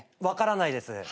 分からないです。